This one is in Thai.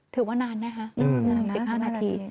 ถือว่านานไหมคะ๑๕นาที